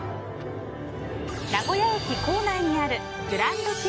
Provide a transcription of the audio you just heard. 名古屋駅構内にあるグランド